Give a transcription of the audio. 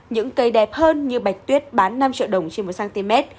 những cây đẹp hơn như bạch tuyết bán năm triệu đồng trên một cm